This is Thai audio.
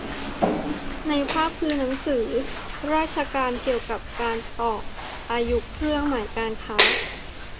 ในภาพคือหนังสือราชการเกี่ยวกับการต่ออายุเครื่องหมายการค้า